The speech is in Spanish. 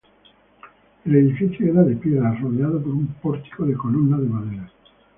El edificio era de piedra, rodeado por un pórtico de columnas de madera.